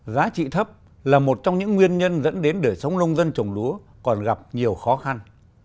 giá trị thấp là một trong những nguyên nhân dẫn đến đời sống nông dân trồng lúa còn gặp nhiều khó khăn